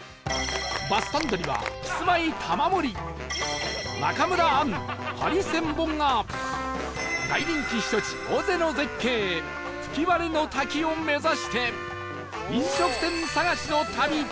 バスサンドにはキスマイ玉森中村アンハリセンボンが大人気避暑地尾瀬の絶景吹割の滝を目指して飲食店探しの旅！